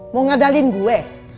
mau ngadalin gue